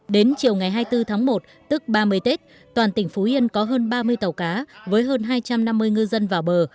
đến chiều ngày hai mươi bốn tháng một tức ba mươi tết toàn tỉnh phú yên có hơn ba mươi tàu cá với hơn hai trăm năm mươi ngư dân vào bờ